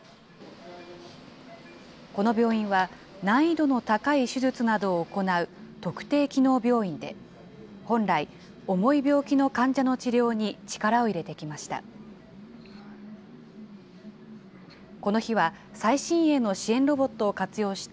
この病院は、難易度の高い手術などを行う特定機能病院で、本来、重い病気の患者の治療に力を入れてきました。